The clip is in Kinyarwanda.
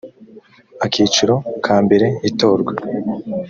akiciro ka mbere itorwa